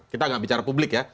kita nggak bicara publik ya